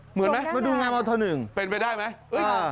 เหมือนไหมมาดูงานมาเท่าหนึ่งจัดการงานนี้เป็นไปได้ไหมครับ